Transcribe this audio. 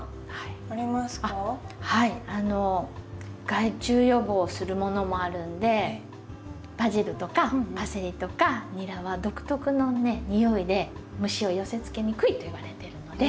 害虫予防するものもあるんでバジルとかパセリとかニラは独特のにおいで虫を寄せつけにくいといわれてるので。